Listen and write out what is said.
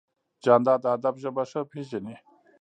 جانداد د ادب ژبه ښه پېژني.